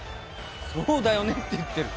そうだよねって言ってる。